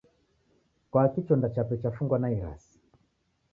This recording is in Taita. Kwaki chonda chape chafungwa na irasi?